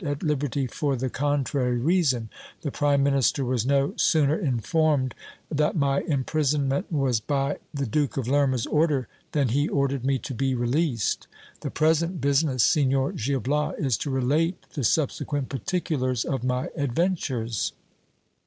at liberty for the contrary rea son ; the prime minister was no sooner informed that my imprisonment was by thi Duke of Lerma's order, than he ordered me to be released. The present business, Signor Gil Bias, is to relate the subsequent particulars of my adven tures.